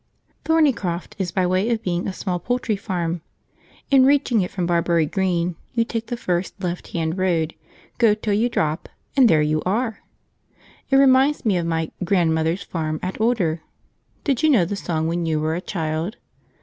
Thornycroft is by way of being a small poultry farm. In reaching it from Barbury Green, you take the first left hand road, go till you drop, and there you are. It reminds me of my "grandmother's farm at Older." Did you know the song when you were a child?